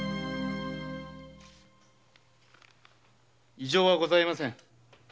〕異常はこざいません。